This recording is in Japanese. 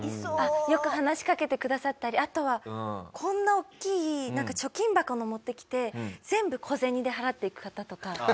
よく話しかけてくださったりあとはこんな大きい貯金箱の持って来て全部小銭で払っていく方とか。